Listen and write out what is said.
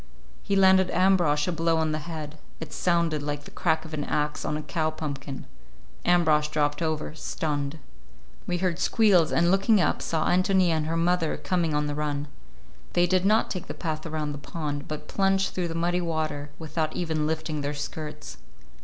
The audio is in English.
He landed Ambrosch a blow on the head—it sounded like the crack of an axe on a cow pumpkin. Ambrosch dropped over, stunned. We heard squeals, and looking up saw Ántonia and her mother coming on the run. They did not take the path around the pond, but plunged through the muddy water, without even lifting their skirts.